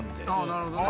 なるほどね。